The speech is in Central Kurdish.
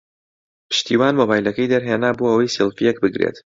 پشتیوان مۆبایلەکەی دەرهێنا بۆ ئەوەی سێڵفییەک بگرێت.